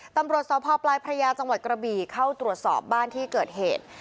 ตำรวจสพปลายพระยาจังหวัดกระบี่เข้าตรวจสอบบ้านที่เกิดเหตุ